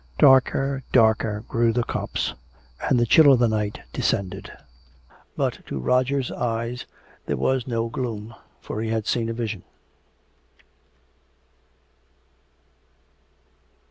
Darker, darker grew the copse and the chill of the night descended. But to Roger's eyes there was no gloom. For he had seen a vision.